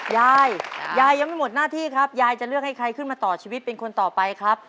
ยายยายยังไม่หมดหน้าที่ครับยายจะเลือกให้ใครขึ้นมาต่อชีวิตเป็นคนต่อไปครับ